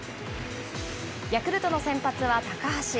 ヤクルトの先発は高橋。